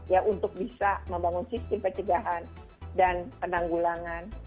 ya untuk bisa membangun sistem pencegahan dan penanggulangan